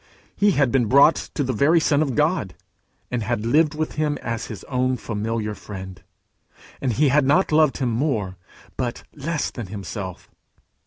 He had been brought to the very Son of God, and had lived with him as his own familiar friend; and he had not loved him more, but less than himself.